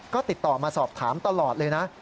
ก็ติดต่อมาสอบถามตลอดเลยนะ